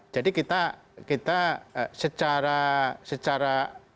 jadi kita kita secara